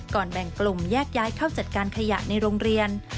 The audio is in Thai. แบ่งกลุ่มแยกย้ายเข้าจัดการขยะในโรงเรียน